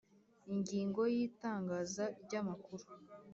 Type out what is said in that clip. Ingingo y Itangaza ry amakuru